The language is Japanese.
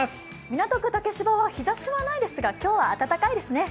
港区竹芝は日ざしはないですが、今日は暖かいですね。